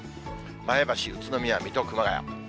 前橋、宇都宮、水戸、熊谷。